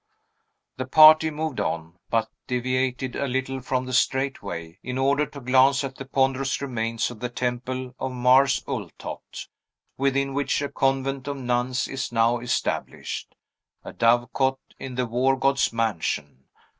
The party moved on, but deviated a little from the straight way, in order to glance at the ponderous remains of the temple of Mars Ultot, within which a convent of nuns is now established, a dove cote, in the war god's mansion.